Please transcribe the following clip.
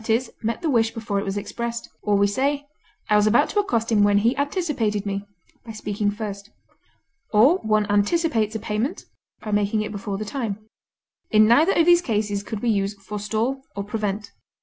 e._, met the wish before it was expressed): or we say, "I was about to accost him when he anticipated me" (by speaking first); or one anticipates a payment (by making it before the time); in neither of these cases could we use forestall or prevent.